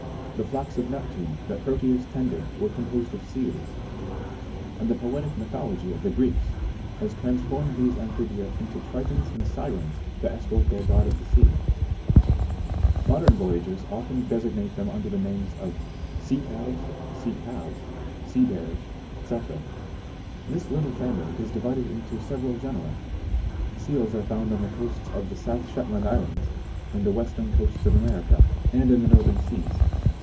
The flocks of Neptune that Proteus tended were composed of seals, and the poetic mythology of the Greeks has transformed these Amphibia into Tritons and Syrens to escort their god of the sea, Modern voyagers often designate them under the names of Sea calves, Sea cows, Sea bears, fyc. This little family is divided into several genera. 81. [Seals are found on the coasts of the South Shetland Isles, and the western coast of America, and in the Northern Seas.